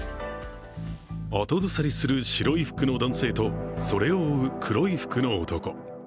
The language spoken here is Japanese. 後ずさりする白い服の男性と、それを追う黒い服の男。